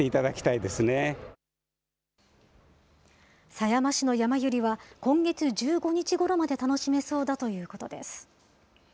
狭山市のヤマユリは、今月１５日ごろまで楽しめそうだということです。